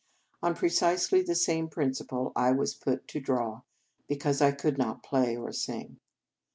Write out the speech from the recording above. On pre cisely the same principle, I was put to draw because I could not play or sing.